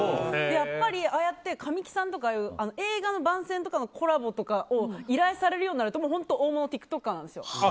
やっぱりああやって神木さんとか映画の番宣とかのコラボとかを依頼されるようになると本当大物ティックトッカーなんです。